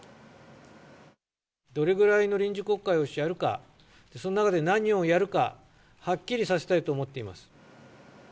どれぐらいの臨時国会をしてやるか、その中で何をやるか、はっきりさせたいと思っています。